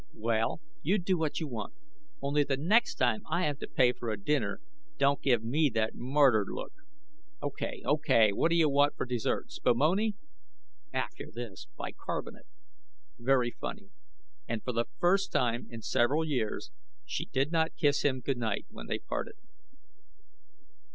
"Well, you do what you want. Only, the next time I have to pay for a dinner don't give me that martyred look." "Okay. Okay. What do you want for dessert, spumoni?" "After this, bicarbonate." "Very funny." And for the first time in several years she did not kiss him good night, when they parted.